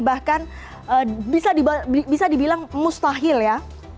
bahkan bisa dibilang mustahil ya